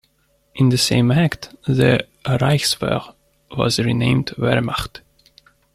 In the same act, the "Reichswehr" was renamed "Wehrmacht".